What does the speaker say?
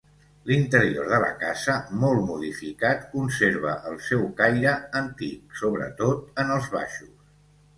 L'interior de la casa, molt modificat, conserva el seu caire antic, sobretot en els baixos.